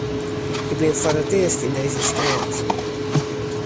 Ik bin foar it earst yn dizze stêd.